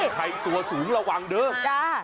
ตัวสูงระวังเดิม